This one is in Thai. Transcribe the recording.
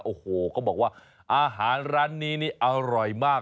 โอ้โหเขาบอกว่าอาหารร้านนี้นี่อร่อยมาก